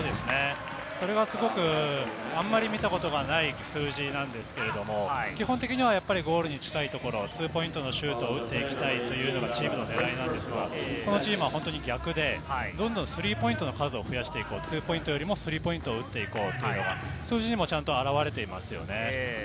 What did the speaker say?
それはすごく、あまり見たことがない数字なんですけれども、基本的にはゴールに近いところ２ポイントのシュートを打っていきたいというのがチームのねらいなんですが、このチームは本当に逆で、どんどんスリーポイントの数を増やしていくというのが数字にもちゃんと表れていますよね。